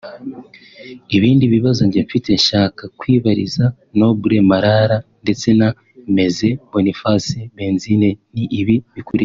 Ibindi bibazo njye mfite nshaka kwibariza Noble Marara ndetse na Mzee Boniface Benzige ni ibi bikurikira